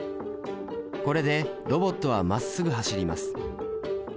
これでロボットはまっすぐ走ります。